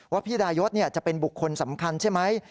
ว่าพี่ไดยฤทธิ์เนี่ยจะเป็นบุคคลสำคัญใช่ไหม